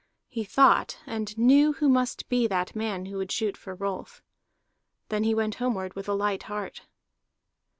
He thought, and knew who must be that man who would shoot for Rolf. Then he went homeward with a light heart.